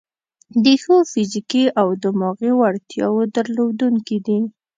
د ښو فزیکي او دماغي وړتیاوو درلودونکي دي.